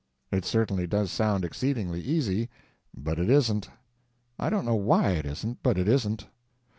It certainly does sound exceedingly easy; but it isn't. I don't know why it isn't but it isn't.